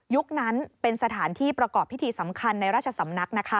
นั้นเป็นสถานที่ประกอบพิธีสำคัญในราชสำนักนะคะ